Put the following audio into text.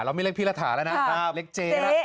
เราไม่เรียกพี่รัฐาแล้วนะเรียกเจ๊นะ